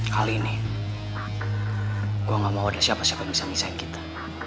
kali ini gue gak mau ada siapa siapa yang bisa ngesain kita